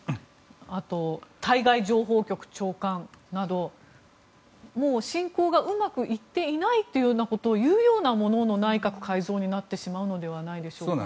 あと、対外情報局長官など侵攻がうまくいっていないというようなことを言うようなものの内閣改造になってしまうのではないでしょうか。